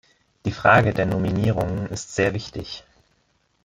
Die Frage der Nominierungen ist sehr wichtig.